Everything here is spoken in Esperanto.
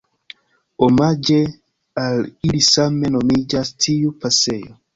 Omaĝe al ili same nomiĝas tiu pasejo.